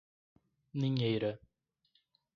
Ninheira